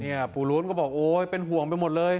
เนี่ยภูรุนก็บอกโอ้ยเป็นห่วงไปหมดเลย